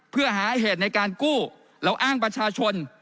เพื่อหาเหตุในการกู้เราอ้างประชาชน